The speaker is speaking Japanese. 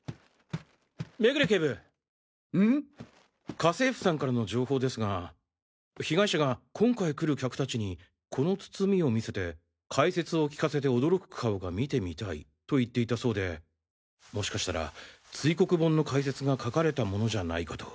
家政婦さんからの情報ですが被害者が今回来る客たちにこの包みを見せて解説を聞かせて驚く顔が見てみたいと言っていたそうでもしかしたら堆黒盆の解説が書かれたものじゃないかと。